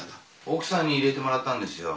奥さんに入れてもらったんですよ。